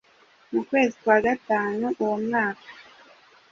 mu kwezi kwa Gatanu uwo mwaka